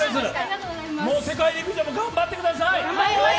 世界陸上も頑張ってください。